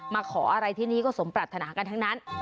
มาขออะไรที่นี่ก็สมปรัฐนากันทั้งนั้น